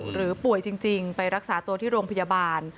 หรือป่วยจริงไปรักษาตัวที่โรงพยาบาล